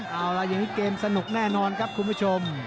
เอาล่ะอย่างนี้เกมสนุกแน่นอนครับคุณผู้ชม